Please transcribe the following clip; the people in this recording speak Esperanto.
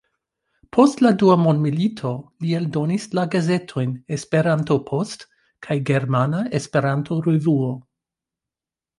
Post la dua mondmilito li eldonis la gazetojn "Esperanto-Post" kaj "Germana Esperanto-Revuo.